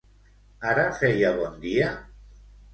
Ara feia bon dia?